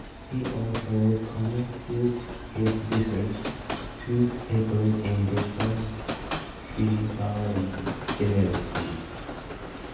He also continued his research, publishing two papers in differential geometry.